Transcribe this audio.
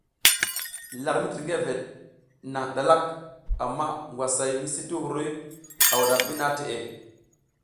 Lar mitirgeveɗ e naƞ ɗalak, amma ngwasay misi ti huruy o a wuɗam ɓi naha teʼe.